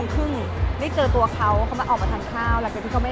เพราะอันของกลางก็